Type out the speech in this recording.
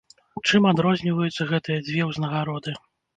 Чым адрозніваюцца гэтыя дзве ўзнагароды?